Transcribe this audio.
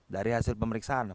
dari hasil pemeriksaan